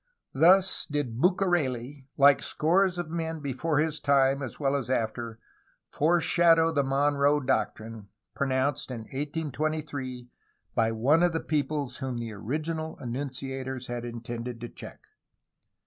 Thus did Bucareli, like scores of men before his time as well as after, foreshadow the Monroe Doctrine, pronounced in 1823 by one of the peoples whom the original enunciators had intended to check.